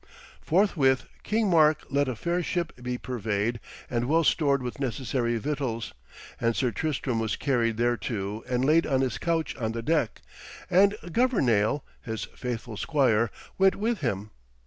Forthwith King Mark let a fair ship be purveyed and well stored with necessary victuals, and Sir Tristram was carried thereto and laid on his couch on the deck, and Governale, his faithful squire, went with him.